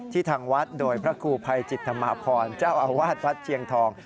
ทางวัดโดยพระครูภัยจิตธรรมพรเจ้าอาวาสวัดเชียงทอง